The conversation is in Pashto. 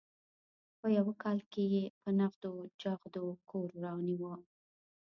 په یوه کال کې یې په نغدو چغدو کور رانیوه.